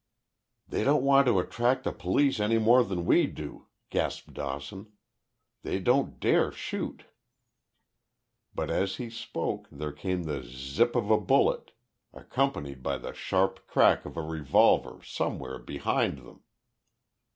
"They don't want to attract the police any more than we do," gasped Dawson. "They don't dare shoot!" But as he spoke there came the z z i pp of a bullet, accompanied by the sharp crack of a revolver somewhere behind them.